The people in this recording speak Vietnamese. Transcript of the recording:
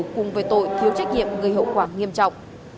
cùng với tội thiếu trách nhiệm gây hậu quả nghiêm trọng